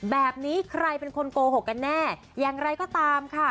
แบบนี้ใครเป็นคนโกหกกันแน่อย่างไรก็ตามค่ะ